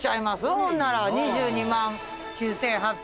ほんなら２２万９，８００円。